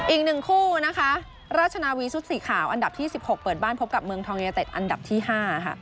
อีกหนึ่งคู่นะคะราชนาวีชุดสีขาวอันดับที่๑๖เปิดบ้านพบกับเมืองทองยูเนเต็ดอันดับที่๕ค่ะ